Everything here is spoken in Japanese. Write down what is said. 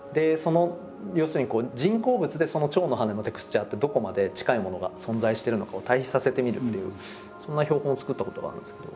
要するに人工物でその蝶の羽のテクスチャーってどこまで近いものが存在してるのかを対比させてみるっていうそんな標本を作ったことがあるんですけど。